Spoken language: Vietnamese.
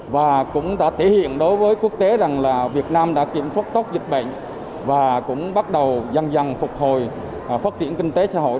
và cũng đã thể hiện đối với quốc tế rằng là việt nam đã kiểm soát tốt dịch bệnh và cũng bắt đầu dần dần phục hồi phát triển kinh tế xã hội